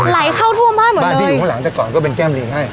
ไหลเข้าท่วมบ้านเหมือนบ้านที่อยู่ข้างหลังแต่ก่อนก็เป็นแก้มลิงให้